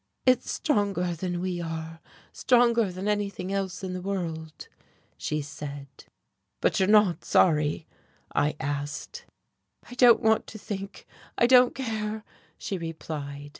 "It's stronger than we are stronger than anything else in the world," she said. "But you're not sorry?" I asked. "I don't want to think I don't care," she replied.